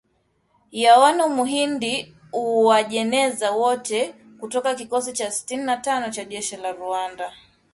Yoano Muhindi Uwajeneza, wote kutoka kikosi cha sitini na tano cha jeshi la Rwanda